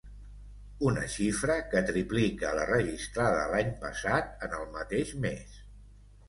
Una xifra que triplica la registrada l’any passat en el mateix mes.